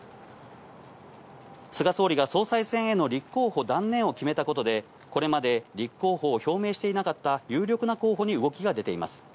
菅総理が総裁選への立候補断念を決めたことで、これまで立候補を表明していなかった有力な候補に動きが出ています。